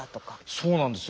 そうなんですよ。